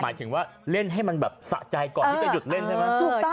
หมายถึงว่าเล่นให้มันแบบสะใจก่อนที่จะหยุดเล่นใช่ไหม